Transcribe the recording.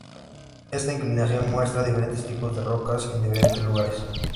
Esta inclinación muestra diferentes tipos de rocas en diferentes lugares.